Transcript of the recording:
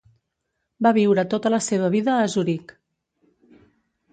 Va viure tota la seva vida a Zuric.